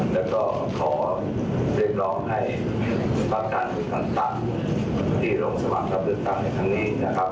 แล้วก็ขอเรียกรอบให้ฝากการผู้ทางต่างที่ลงสมัครกับเดือนการณ์ในคันนี้นะครับ